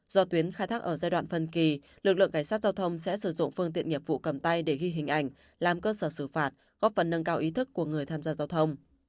do tuyến khai thác ở giai đoạn phân kỳ lực lượng cảnh sát giao thông sẽ sử dụng phương tiện nghiệp vụ cầm tay để ghi hình ảnh làm cơ sở xử phạt góp phần nâng cao ý thức của người tham gia giao thông